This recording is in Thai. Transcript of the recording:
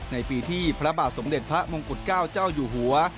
ในปีที่พระบาทสมเด็จพระมงกุฎเกล้าเจ้าอยู่หัว